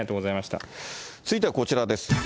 続いてはこちらです。